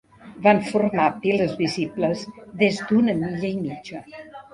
Van formar piles visibles des d'una milla i mitja.